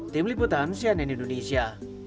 tim liputan cnn indonesia